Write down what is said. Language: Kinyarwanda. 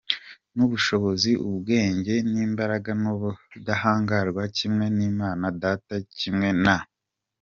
n'ubushobozi, ubwenge n'imbaraga n'ubudahangarwa kimwe n'Imana Data, kimwe na.